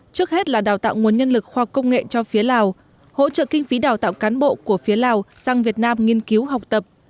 trước hết là đào tạo nguồn nhân lực khoa công nghệ cho phía lào hỗ trợ kinh phí đào tạo cán bộ của phía lào sang việt nam nghiên cứu học tập